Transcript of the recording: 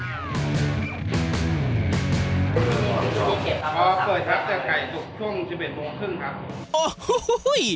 ๑ตั้งสองทั่วชั่วโมงครึ่งครับ